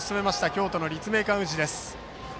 京都の立命館宇治です。